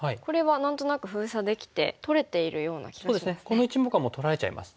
この１目はもう取られちゃいます。